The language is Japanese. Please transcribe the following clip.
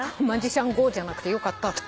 マジシャンＧＯじゃなくてよかった。